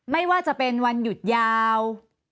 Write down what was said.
ไม่ว่าจะเป็นวันหยุดยาว